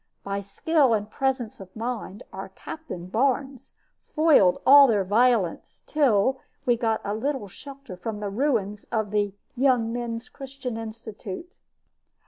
By skill and presence of mind, our captain, Barnes, foiled all their violence, till we got a little shelter from the ruins of the "Young Men's Christian Institute."